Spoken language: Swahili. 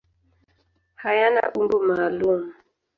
Hayana umbo maalum.